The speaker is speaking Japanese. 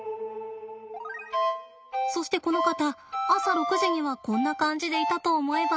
そしてこの方朝６時にはこんな感じでいたと思えば。